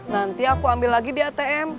nanti aku ambil lagi di atm